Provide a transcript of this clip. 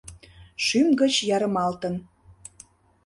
Шӱм гыч ярымалтын